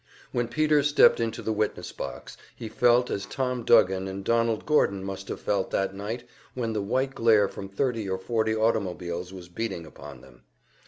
When Peter stepped into the witness box he felt as Tom Duggan and Donald Gordon must have felt that night when the white glare from thirty or forty automobiles was beating upon them.